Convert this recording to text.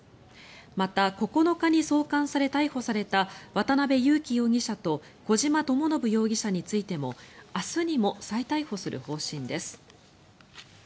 また９日に送還され、逮捕された渡邉優樹容疑者と小島智信容疑者についても明日にも再逮捕する方針です。